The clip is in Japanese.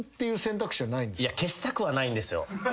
消したくはないんですよ。